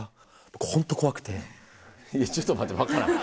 いやちょっと待て分からん。